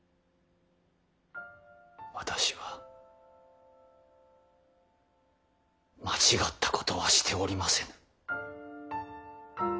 私は間違ったことはしておりませぬ。